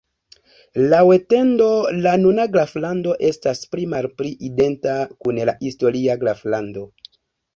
Laŭ etendo la nuna graflando estas pli malpli identa kun la historia graflando.